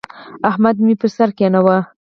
احمد مې پر سر کېناوو.